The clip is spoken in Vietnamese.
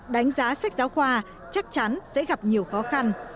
đánh giá sách giáo khoa chắc chắn sẽ gặp nhiều khó khăn